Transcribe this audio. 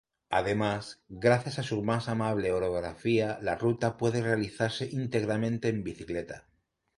Además, gracias a su más amable orografía la ruta puede realizarse íntegramente en bicicleta.